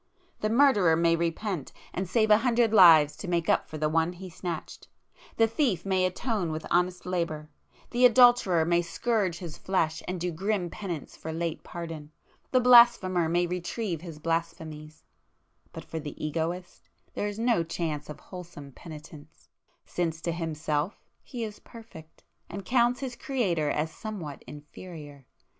The murderer may repent, and save a hundred lives to make up for the one he snatched,—the thief may atone with honest labour,—the adulterer may scourge his flesh and do grim penance for late pardon,—the blasphemer may retrieve his [p 465] blasphemies,—but for the Egoist there is no chance of wholesome penitence, since to himself he is perfect, and counts his Creator as somewhat inferior.